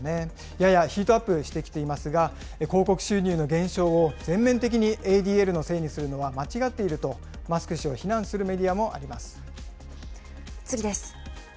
ややヒートアップしてきていますが、広告収入の減少を全面的にＡＤＬのせいにするのは間違っていると、マスク氏を非難するメディ次です。